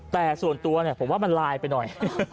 แต่ส่วนตัวเนี่ยผมว่ามันลายไปหน่อย